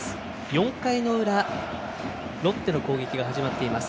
４回の裏ロッテの攻撃が始まっています。